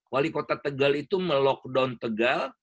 wali kota tegal itu melockdown tegal